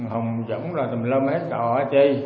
hùng dũng rồi tùm lum hết trò chi